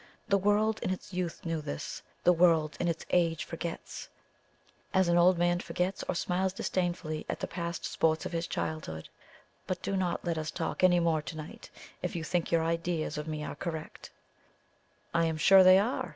The world in its youth knew this; the world in its age forgets, as an old man forgets or smiles disdainfully at the past sports of his childhood. But do not let us talk any more to night. If you think your ideas of me are correct " "I am sure they are!"